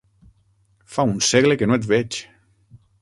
Fa un segle que no et veig!